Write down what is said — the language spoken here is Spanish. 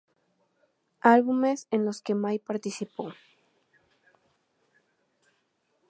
Álbumes en los que Mai participó.